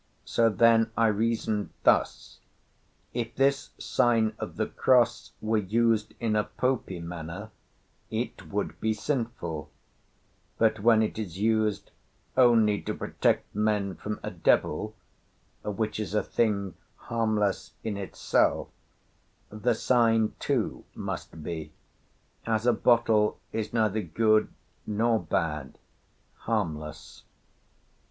So then I reasoned thus: if this sign of the cross were used in a Popey manner it would be sinful, but when it is used only to protect men from a devil, which is a thing harmless in itself, the sign too must be, as a bottle is neither good nor bad, harmless.